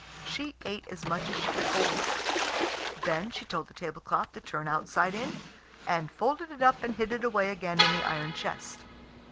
She ate as much as she could hold. Then she told the tablecloth to turn outside in, and folded it up and hid it away again in the iron chest.